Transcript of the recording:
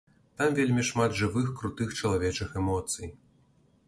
Там вельмі шмат жывых крутых чалавечых эмоцый.